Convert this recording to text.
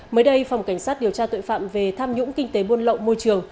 mới đây phòng cảnh sát điều tra tội phạm về tham nhũng kinh tế buôn lậu môi trường